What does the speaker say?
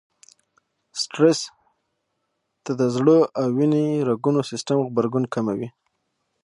سټرس ته د زړه او وينې رګونو سيستم غبرګون کموي.